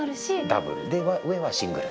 ダブルで上はシングル。